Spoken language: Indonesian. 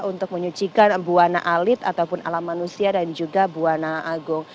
untuk menyucikan buah na'alit ataupun alam manusia dan juga buah na'agung